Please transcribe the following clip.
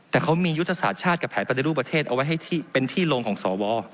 แต่เขามียุทธศาสตร์ชาติกับแผนปฏิรูปประเทศเอาไว้ให้เป็นที่ลงของสว